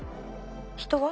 人は？